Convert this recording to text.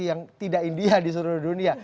yang tidak india di seluruh dunia